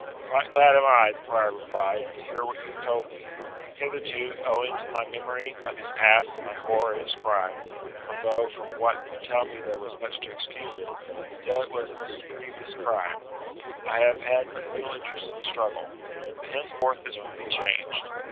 "Right glad am I," the prior replied, "to hear what you have told me. Hitherto, owing to my memory of his past and my horror at his crime for though from what you tell me there was much to excuse it, still it was a grievous crime I have had but little interest in the struggle, but henceforth this will be changed.